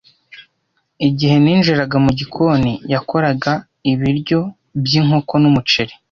Igihe ninjiraga mu gikoni, yakoraga ibiryo by'inkoko n'umuceri.